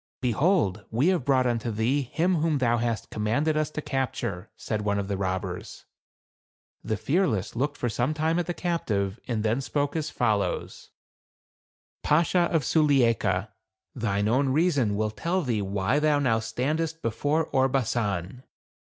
" Behold, we have brought unto thee him whom thou hast commanded us to capture," said one of the robbers. The Fearless looked for some time at the captive, and then spoke as follows :" Bashaw of Sulieika, thine own reason will tell thee why thou now stand est before Orbasan."